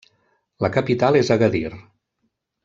La capital és Agadir.